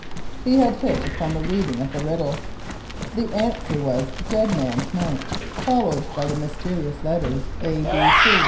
he had hit upon the reading of the riddle._ The answer was: "Dead Man's Mount," followed by the mysterious letters A.